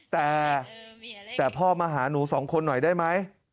แต่แต่พ่อมาหาหนูสองคนหน่อยได้ไหม